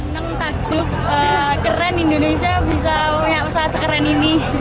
senang takjub keren indonesia bisa punya pesawat sekeren ini